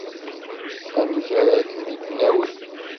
Amek ara kem-id-nawi.